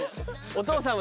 お姉さん。